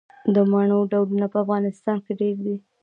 د مڼو ډولونه په افغانستان کې ډیر دي.